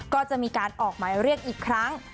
ก็จะมีการออกหมายเรียกอีกครั้ง